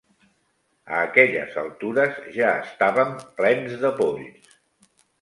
A aquelles altures ja estàvem plens de polls